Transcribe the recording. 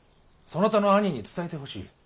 そなたの兄に伝えてほしい。